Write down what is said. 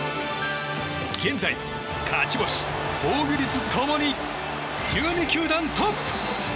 現在、勝ち星、防御率共に１２球団トップ。